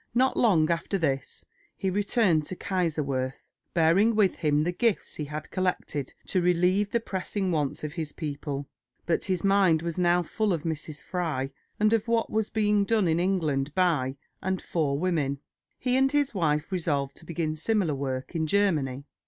Not long after this he returned to Kaiserswerth, bearing with him the gifts he had collected to relieve the pressing wants of his people; but his mind was now full of Mrs. Fry, and of what was being done in England by and for women. He and his wife resolved to begin similar work in Germany.